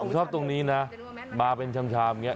ผมชอบตรงนี้นะมาเป็นชามอย่างนี้